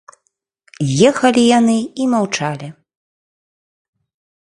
Ехалі яны і маўчалі.